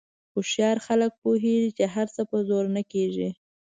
هوښیار خلک پوهېږي چې هر څه په زور نه کېږي.